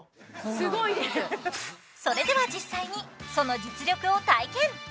すごいですそれでは実際にその実力を体験！